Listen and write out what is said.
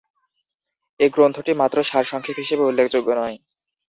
এ গ্রন্থটি মাত্র সারসংক্ষেপ হিসেবে উল্লেখযোগ্য নয়।